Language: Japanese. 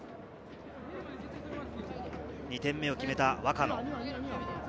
２点目を決めた若野。